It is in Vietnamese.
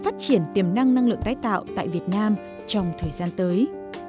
phát triển tiềm năng năng lượng tái tạo tại việt nam trong thời gian tới